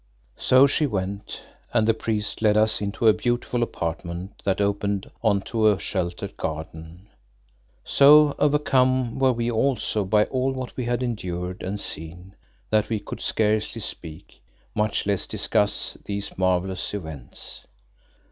So she went and the priest led us into a beautiful apartment that opened on to a sheltered garden. So overcome were we also by all that we had endured and seen, that we could scarcely speak, much less discuss these marvellous events.